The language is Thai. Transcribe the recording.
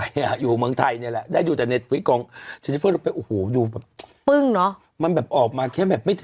ต้องเอาทุกสิทธิ์เขาบอกเลยว่า